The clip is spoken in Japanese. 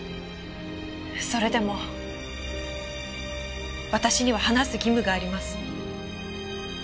それでも私には話す義務があります。